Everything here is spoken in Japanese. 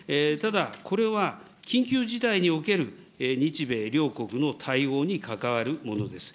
ただ、これは緊急事態における日米両国の対応に関わるものです。